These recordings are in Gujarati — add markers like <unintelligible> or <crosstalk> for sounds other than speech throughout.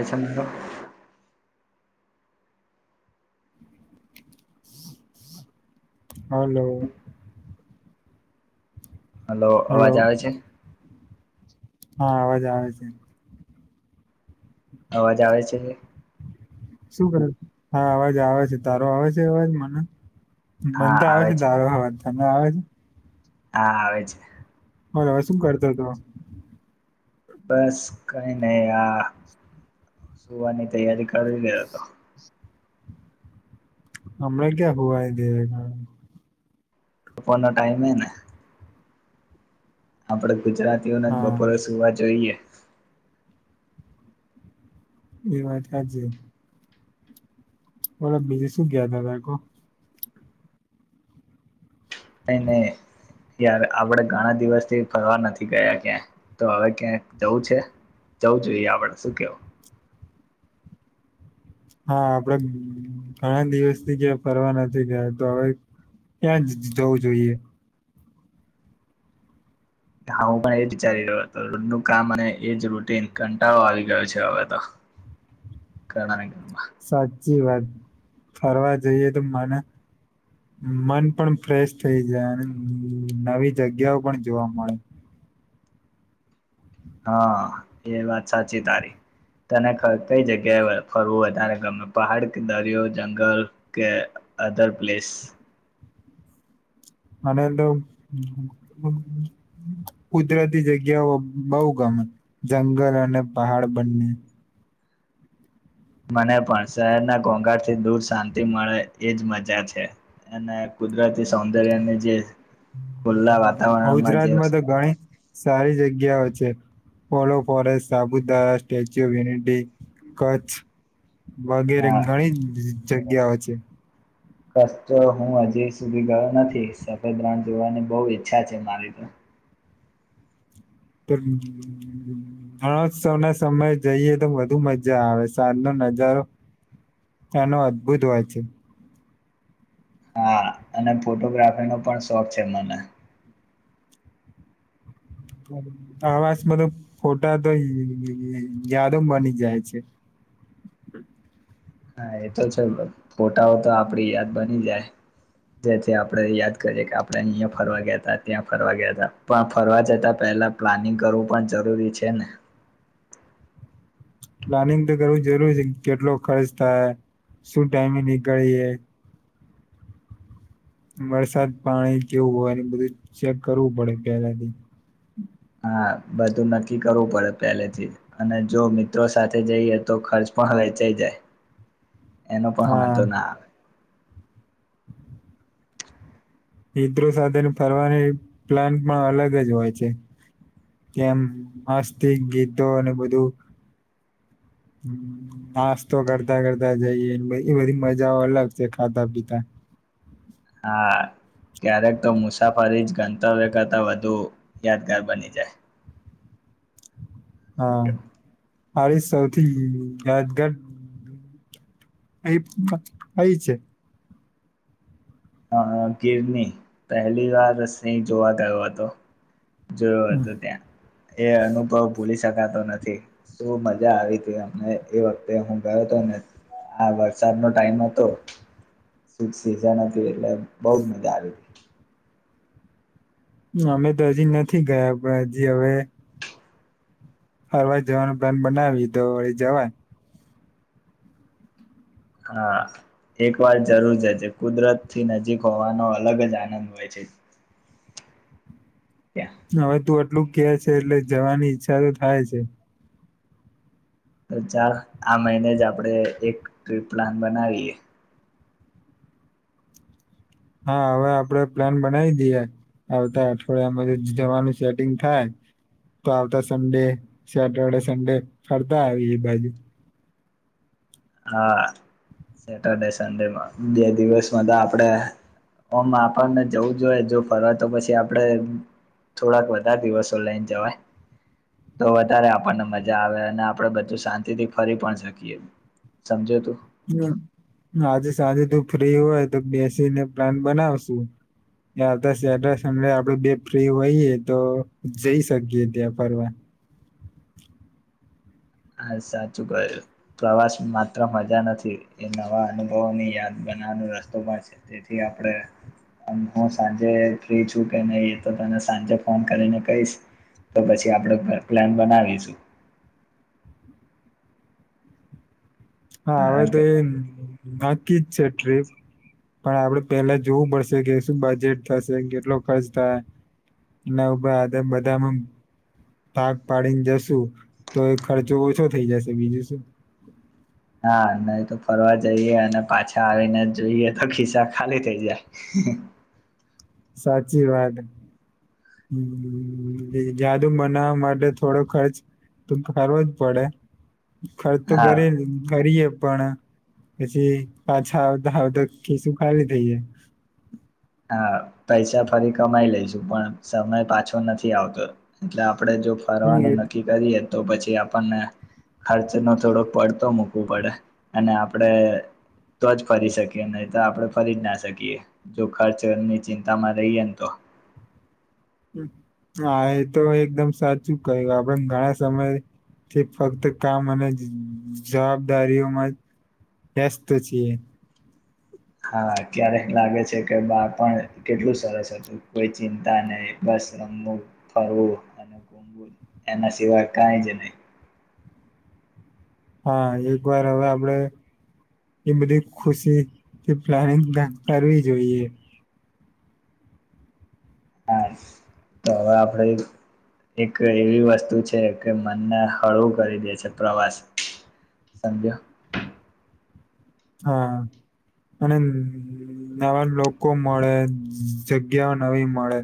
એ છે. હલો. હલો, અવાજ આવે છે? હા, અવાજ આવે છે, એ. અવાજ આવે છે. શું કરે? હા, અવાજ આવે છે. તારો આવે છે અવાજ મને. મન તો આવે છે. <unintelligible> તો આવે છે. હા, આવે છે. પણ હવે શું કરતો હતો? બસ, કઈ નહીં. આ, સુવાની તૈયારી કરી રહ્યો હતો. હમણા ક્યાં સુવાઈ જઈએ? તો ન ટાઈમે, એ ને? આપડે. ગુજરાતીઓના જ, હા બપોરે સુવા જોઈએ. એ વાત આ છે. ઓલો બીજ શું કયા ત તકો <unintelligible> કઈ નહીં યાર, આપડે ઘણા દિવસથી ફરવા નથી ગયા ક્યાં તો. હવે ક્યાં જવું છે? જવું જોઈએ? આપડે શું કેવું? હા, આપડે ઘણા દિવસથી ક્યા ફરવા નથી ગયા. તો હવે ક્યાં જવું જોઈએ? હા, આપડે ઘણા દિવસથી ક્યા ફરવા નથી ગયા, તો હવે ક્યાં જવું જોઈએ? સારું. સાચી વાત, ફરવા જઈએ તો મને મન પણ ફ્રેશ થઈ જાય અને નવી જગ્યાઓ પણ જોવા મળે. હા, એ વાત સાચી. તારી તને કઈ જગ્યાએ ફરવું વધારે ગમે- પહાડ કે દરિયો જંગલ કે અધર પ્લેસ? અને તો કુદરતી જગ્યાઓ બહુ ગમે-જંગલ અને પહાડ બંને. મને પણ શહેરના ઘોઘાટ થી દૂર શાંતિ મળે-એ જ મજા છે અને કુદરત. તે સૌંદર્યાને જે ખુલ્લા વાતાવરણમાં જે ગુજરાતમાં તો ઘણી સારી જગ્યા ગયા છે ઓલો forest, Saputara, Statue of Unity, Kutch. વગેરે હા ઘણી જગ્યાઓ છે. ક તો હું હજી સુધી ગયો નથી. સફેદ રાણ જોવાની બહુ ઈચ્છા છે મારી તો. રણોત્સવ ના સમયે જઈએ તો વધુ મજા આવે. સાંજ ન નજારો આનો અદ્ભુત હોય છે. હા, અને ફોટોગ્રાફીનો પણ શોખ છે મને. આવાજમાં તો ખોટા તો યાદો બની જાય છે હા એ તો છે ફોટાઓ તો આપડી યાદ બની જાય જેથી આપણેે યાદ કરીે કે આપણે અહીંયા ફરવા ગયા ત ત્યાં ફરવા ગયા હતા પણ ફરવા જતા પહેલા પ્લાનિંગ કરવું પણ જરૂરી છે ને પ્લાનિંગ તો કરવું જરૂરી છે કેટલો ખર્ચ થાય શું ટાઈમે નીકળીએ વરસાદ પાણી કેવું હોય એનું બધું ચેક કરવું પડે પહેલાથી હા બધું નક્કી કરવું પડે પહેલેથી અને જો મિત્રો સાથે જઈએ તો ખર્ચ પણ વેચાય જાય એનો પણ હા વાંધો ના આવે મિત્રો સાથે ફરવાની પ્લાન પણ અલગ જ હોય છે કેમ મસ્ત ગીતો અને બધું નાસ્તો કરતા કરતા જઈએ બધી બધી મજાઓ અલગ છે ખાતા પીતા હા ક્યારેક તો મુસાફરી જ ગંતવ્ય કરતા વધુ યાદગાર બની જાય શક મારે સૌથી યાદગર અ આઈ છે હ ગિરની પહેલી વાર સ જોવા ગયો હતો જોયો હતો ત્યાં એ અનુભવ ભૂલી શકાતો નથી શું મજા આવી હતી અમને એ વખતે હું ગયો હતો ને આ વરસાદનોો ટાઈમ હતો શ સિઝા હતી એટલે બૌજ મજા આવી હતી અમે તો હજી નથી ગયા પણ હજી હવે અરવા જવાનું પ્લાન બનાવી તો જવા હા એક વાર જરૂર જ છે કુદરત થી નજીક હોવાનો અલગ જ આનંદ હોય છે ત્યાં હવે તું એટલું ક છે એટલે જવાની ઈચ્છા તો થાય છે તો ચાલ આ મહિને જ આપણેે એક ટ્રીપ પ્લાન બનાવીએ હા હવે આપડે પ્લાન બનાવી દઈએ આવતા અઠવાડિયામાં જવાનું સેટિંગ થાય તો આવતા સન્ડે સેટરડે સન્ડે ફરતા આવીએ બાજુ હા સેટરડે સન્ડેમાં બે દિવસમાં તો આપણેે ઓમ આપણને જવું જોઈએ જો ફરવાય તો પછી આપડણે થોડાક વધા દિવસો લઈને જવાય તો વધારે આપણને મજા આવે અને આપણે બધું શાંતિથી ફરી પણ શકીએ સમજે તોું હમ આજે સાંજે તું ફ્રી હોય તો બેસીને પ્લાન બનાવશુ આા સમે આપડ બે ફ્રી હોઈએ તો જઈ શકીએ ત્યાં ફરવા હ સાચું ક પ્રવાસ માત્ર મજા નથી એ નવા અનુભવોની યાદ બનાવાનો રસ્તો પણ છે તેથી આપણે હું સાંજે ફ્રી છું કે નહીં એ તો તને સાંજે ફોન કરીને કહીશ તો પછી આપણે પ્લાન બનાવીશું હા હવે કારણ તો કે એ નક્કી જ છે ટ્રીપ પણ આપડે પેલા જોવું પડશે કે શું બજેટ થશે કેટલો ખર્ચ થાય એ આ બધામાં પાક પાડીને જશુ તો એ ખર્ચો ઓછો થઈ જશે બીજું શું હા નહી તો ફરવા જઈએ અને પાછા આવીને જોઈએ તો ખિસ્સા ખાલી થઈ જાય સાચી વાત હ જાદુ બનાવા માટે થોડો ખર્ચ તો કરવો જ પડે ખર્ તોું ઘરે હા ઘરીએે પણ પછી પાછાધ થી સુું ખી થઈએ હા પૈસા ફરી કમાઈ લઈશુ પણ સમય પાછો નથી આવતો એટલે આપણે જો ફરવાનું હમ નક્કી કરીએ તો પછી આપણને ખર્ચ નો થોડો પડતો મૂકવો પડે અને આપડે તો જ ફરી શકીએ નહી તો આપડણે ફરી જ ના શકીએ જોખાડ ચરની ચિંતામાં રહીએ તો હા એ તો એકદમ સાચું કહ્યું આપણે ઘણા સમયથી ફક્ત કામ અને જવાબદારીઓમાં વસ્ત છીએ હા ક્યારેક લાગે છે કે બા પણ કેટલું સરસ હતું કોઈ ચિંતા નહી બસ રમવું ફરવું અને ગૂવું એના સિવાય કઈ જ નહી હા એક વાર હવે આપણેે એ બધી ખુશીથી પ્લાનિંગ કરવી જોઈએ હા તો હવે આપણે એક એવી વસ્તુ છે કે મનને હળવું કરી દે છે પ્રવાસ સમજો હા અને નવા લોકો મળે જગ્યાઓ નવી મળે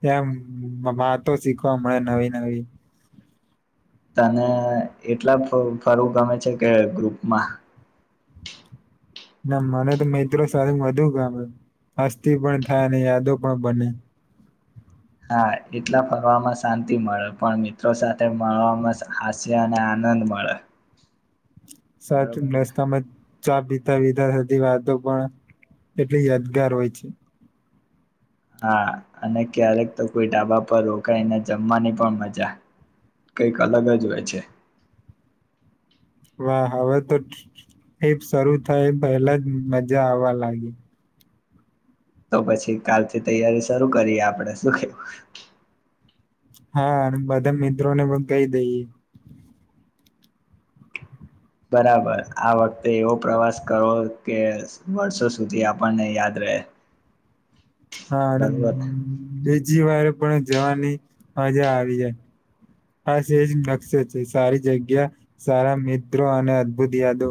ત્યા વાતો શીખવા મળે નવી નવી તને એકલા ફરવું ફરું ગમે છે કે ગ્રુપમાં ના મને તો મિત્રો સાથે વધુ ગમે હસ્તી પણ થાય અને યાદો પણ બને. હા એકલા ફરવામાં શાંતિ મળે પણ મિત્રો સાથે મળવામાં હાસ્ય અને આનંદ મળે. સાચું બરોબર ને મેસ તમે ચા પીતા પીતા થતી વાતો પણ એટલી યાદગાર હોય છે. હા અને ક્યારેક તો કોઈ ઢાબા પર રોકાઈને જમવાની પણ મજા કઈક અલગ જ હોય છે. વાહ હવે તો <unintelligible> શરૂ થાય પહેલા જ મજા આવવા લાગી. તો પછી કાલથી તૈયારી શરૂ કરીએ આપડે શું કેવું. હા ને બધા મિત્રો ને પણ કહી દઈએ. બરાબર આ વખતે એવો પ્રવાસ કરવો કે વર્ષો સુધી આપણને યાદ રહે. હા અને બરોબર બે જી વાર પણ જવાની મજા આવી જાય આજ એજ નકશ છે સારી જગ્યા સારા મિત્રો અને અદભુત યાદો.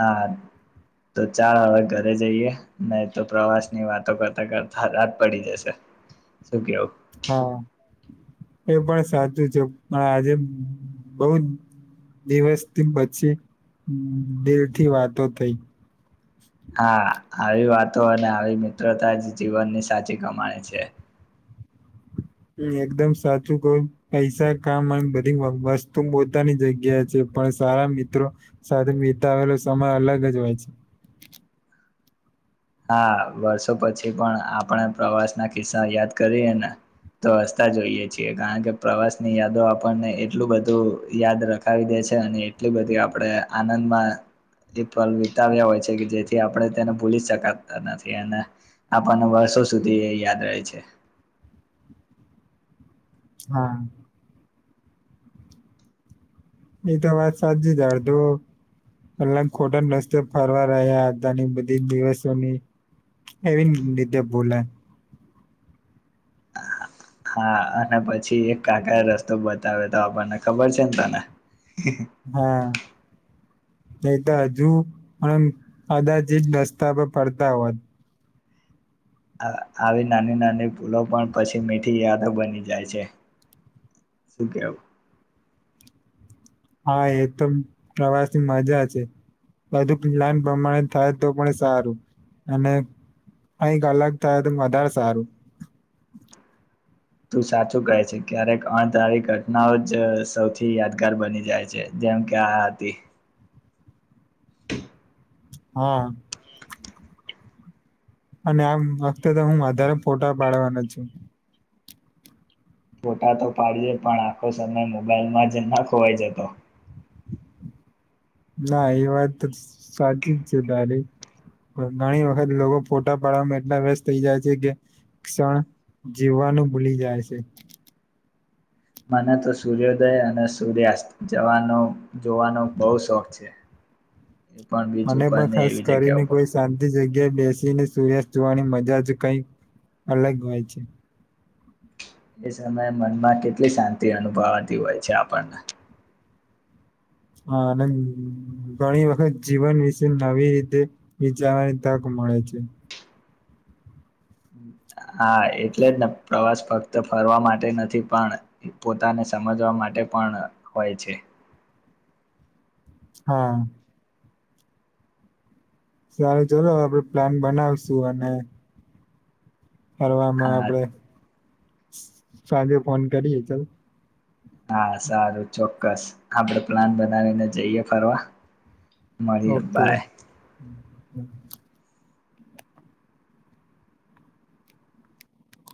હા તો ચાલ હવે ઘરે જઈએ નહી તો પ્રવાસ ની વાતો કરતા કરતા રાત પડી જશે શું કેવું. હા એ પણ સાચું છે પણ આજે બઉ દિવસથી પછી દીલથી વાતો થઈ. હા આવી વાતો અને આવી મિત્રતા જ જીવનની સાચી કમાણે છે. હ એકદમ સાચું કઉ પૈસા કામ અન બધી વસ્તુ પોતાની જગ્યા છે પણ સારા મિત્રો સાથે વિતાવેલો સમય અલગ જ હોય છે. હા વર્ષો પછી પણ આપણે પ્રવાસના કિસ્સા યાદ કરીએ ને તો રસતા જોઈએ છીએ કારણ કે પ્રવાસ ની યાદો આપણને એટલું બધું યાદ રખાવી દે છે અને એટલી બધી આપડે આનંદમાં એ વિતાવ્યા હોય છે કે જેથી આપડે તેને ભૂલી શકા નથી અને આપણને વર્ષો સુધી યાદ રહે છે. હા. એ તો વાત સાચી જ અડધો પલા ખોટા રસ્તે ફરવા રહ્યા હતા ની બધી દિવસોની એવી રીધે બોલા હા અને પછી એક કાકાએ રસ્તો બતાવ્યો તો આપણને ખબર છે ને તને. હા. નઈ તો હજુ પણ કદાચ જ દસ્તા પર પડતા હોત. આ આવી નાની નાની ભૂલો પણ પછી મીઠી યાદ બની જાય છે શું કેવ હા એ તો પ્રવાસ ની મજા છે બધું પ્લાન પ્રમાણે થાય તો પણ સારું અને કંઈક અલગ થાય તો વધારે સારું. તું સાચું કહે છે ક્યારેક અણધારી ઘટનાઓ જ સૌથી યાદગાર બની જાય છે જેમ કે આ હતી. હા. અને આમ વખતે તો હું વધારે ફોટા પાડવાના છું. ફોટા તો પાડયે પણ આખો સમય મોબાઈલમાં જ ના ખોવાઈ જતો. ના એ વાત ત સાચી જ છે તારી પણ ઘણી વખત લોકો ફોટા પાડવામાં એટલા વ્યસ્ત થઈ જાય છે કે ક્ષણ જીવવાનું ભૂલી જાય છે. મને તો સૂર્યોદય અને સૂર્યાસ્ત જવાનો જોવાનો બઉ શોખ છે. એ પણ બીચ મને ઉપર પણ ને ખાસ એવી જગ્યા કરીને ઉપર કોઈ શાંતિ જગ્યાએ બેસીને સૂર્યાસ્ત જોવાની મજા જ કઈ અલગ હોય છે. <unintelligible> સમયે મનમાં કેટલી શાંતિ અનુભવાતી હોય છે આપણને હ અને ઘણી વખત જીવન વિશે નવી રીતે વિચારવાની તક મળે છે. હા એટલે જને પ્રવાસ ફક્ત ફરવા માટે નથી પણ પોતાને સમજવા માટે પણ હોય છે. હા. સારું ચલો હવે પ્લાન બનાવશું અને ફરવામાં હા આપડે સાંજે ફોન કરીએ ચલ. હા સારું ચો ક્કસ આપડે પ્લાન બનાવીને જઈએ ફરવા. મારી અબ્બાઈ. હમ